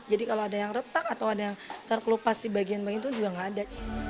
jadi kalau ada yang retak atau ada yang terkelupas di bagian bagian itu juga nggak ada